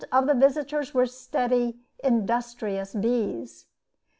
of the visitors were steady, industrious bees.